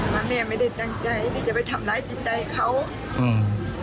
ว่าแม่ไม่ได้จัดใจจะไปทำร้ายจิตใจเขา